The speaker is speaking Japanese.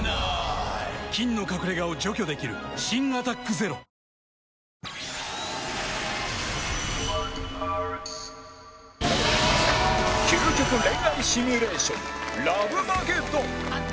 菌の隠れ家を除去できる新「アタック ＺＥＲＯ」究極恋愛シミュレーションラブマゲドン